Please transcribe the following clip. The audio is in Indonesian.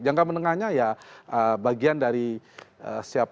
jangka menengahnya ya bagian dari siapa mendapatkan apa bagiannya